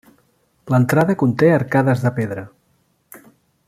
L'entrada conté arcades de pedra.